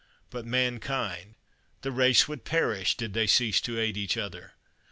But mankind the race would perish did they cease to aid each other.